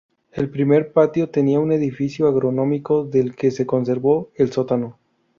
El primer patio tenía un edificio agronómico del que se conservó el sótano.